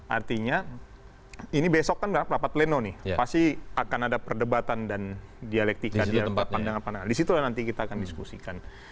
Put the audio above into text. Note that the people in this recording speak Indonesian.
artinya ini besok kan rapat rapat pleno nih pasti akan ada perdebatan dan dialektika di tempat pandangan pandangan di situ nanti kita akan diskusikan